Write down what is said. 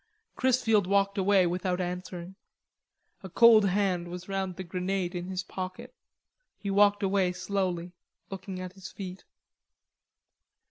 Chrisfield walked away without answering. A cold hand was round the grenade in his pocket. He walked away slowly, looking at his feet.